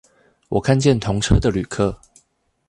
我看見同車的旅客